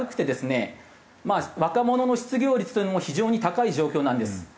若者の失業率というのも非常に高い状況なんです。